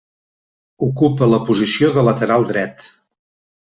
Ocupa la posició de lateral dret.